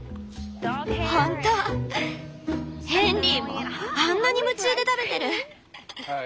ヘンリーもあんなに夢中で食べてる。